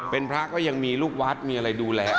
เป็นพระก็ยังมีลูกวัดมีอะไรดูแล